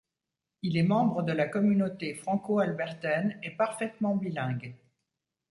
Il est membre de la communauté franco-albertaine et parfaitement bilingue.